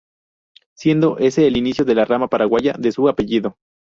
Siendo ese el inicio de la rama paraguaya de su apellido.